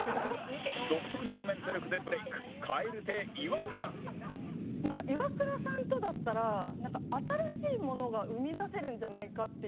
独特なコメント力でブレークイワクラさんとだったら新しいものが生み出せるんじゃないかっていう。